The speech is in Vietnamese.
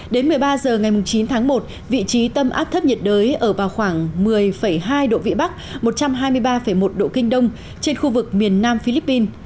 đến một mươi ba h ngày chín tháng một vị trí tâm áp thấp nhiệt đới ở vào khoảng một mươi hai độ vĩ bắc một trăm hai mươi ba một độ kinh đông trên khu vực miền nam philippines